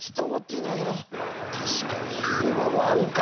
確かにヒグマもあるか。